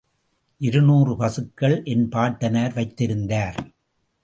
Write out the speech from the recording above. இரு நூறு பசுக்கள் என் பாட்டனார் வைத்திருந்தார்.